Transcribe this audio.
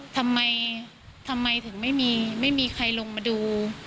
ทำไมถึงไม่มีใครลงมาดู